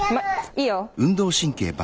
いいよ。